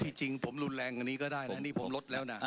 จริงผมรุนแรงกว่านี้ก็ได้นะนี่ผมลดแล้วนะ